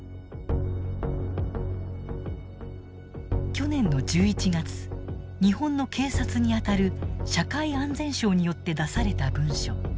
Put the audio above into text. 去年の１１月日本の警察にあたる社会安全省によって出された文書。